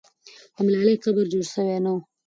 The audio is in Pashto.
د ملالۍ قبر جوړ سوی نه وو.